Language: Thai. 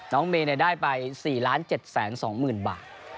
น้องเมย์ได้ไป๔๗๒๐๐๐๐บาท